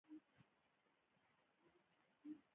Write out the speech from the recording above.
دوی باید توکو ته ډیر وخت ورکړی وای.